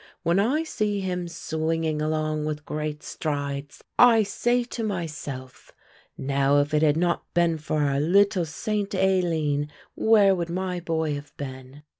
When I see him swinging along with great strides I say to myself, now if it had not been for our little St. Aline where would my boy have been?"